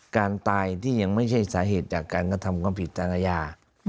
การตายที่ยังไม่ใช่สาเหตุจากการกระทำความผิดทางอาญา